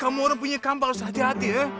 kamu orang punya kampak harus hati hati ya